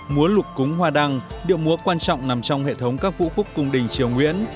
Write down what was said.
múa lục cúng hoa đăng điệu múa quan trọng nằm trong hệ thống các vũ phúc cung đình triều nguyễn